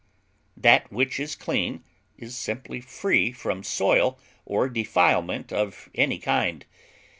That which is clean is simply free from soil or defilement of any kind.